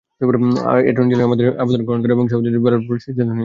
Attorney general আমাদের আবেদন গ্রহণ করে সেই অনুসারে ব্যালট গণনার সিদ্ধান্ত নিয়েছিলেন।